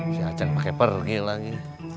si acer pake pergi lagi